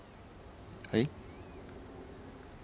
はい？